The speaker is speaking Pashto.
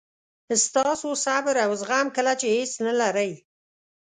ستاسو صبر او زغم کله چې هیڅ نه لرئ.